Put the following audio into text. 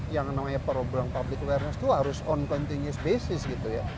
yang namanya problem public awareness itu harus on continuous basis gitu ya